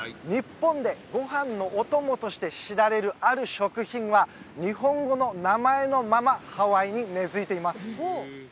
日本でご飯のお供として知られるある食品は日本語の名前のままハワイに根づいています